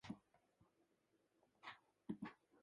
テレビショッピングを利用する人は高齢者が多いと思う。